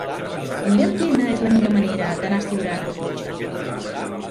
Mira'm quina és la millor manera d'anar a Siurana amb cotxe.